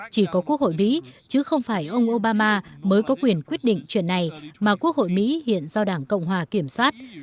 chỉ có quốc hội mỹ chứ không phải ông obama mới có quyền quyết định chuyện này mà quốc hội mỹ hiện do đảng cộng hòa kiểm soát